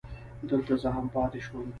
دلته زه هم پاتې شوم.